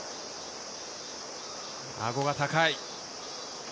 あごが高い。